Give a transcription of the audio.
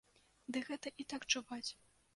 Ды гэта і так чуваць.